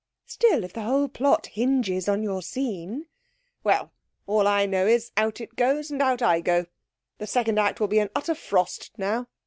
'Still, if the whole plot hinges on your scene ' 'Well! all I know is, out it goes and out I go. The second act will be an utter frost now.